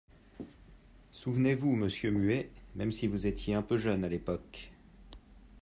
Souvenez-vous, monsieur Muet, même si vous étiez un peu jeune, à l’époque.